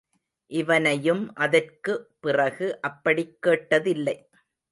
இவனையும் அதற்கு பிறகு அப்படிக் கேட்டதில்லை.